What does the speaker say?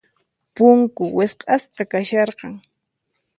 Punku wisq'asqa kasharqan.